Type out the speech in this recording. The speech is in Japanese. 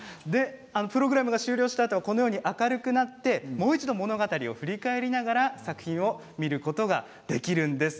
プログラムが終了したあとは明るくなってもう一度物語を振り返りながら作品を見ることができるんです。